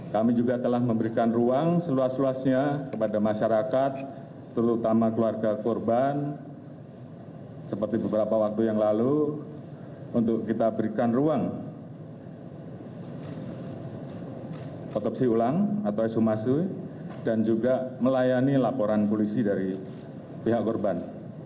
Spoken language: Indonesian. kami juga telah memberikan ruang seluas luasnya kepada masyarakat terutama keluarga korban seperti beberapa waktu yang lalu untuk kita berikan ruang protopsi ulang atau esumasi dan juga melayani laporan polisi dari pihak korban